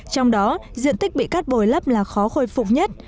trong đó diện tích bị cắt bồi lấp là khó khôi phục nhất